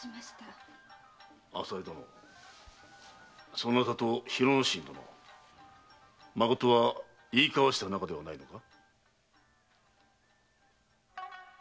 そなたと広之進殿まことは言い交わした仲ではないのか？